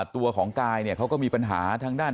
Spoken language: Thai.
ตัวของกายเนี่ยเขาก็มีปัญหาทางด้าน